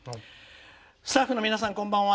「スタッフの皆さんこんばんは。